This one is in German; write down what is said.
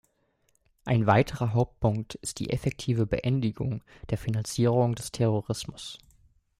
Ein weiterer Hauptpunkt ist die effektive Beendigung der Finanzierung des Terrorismus.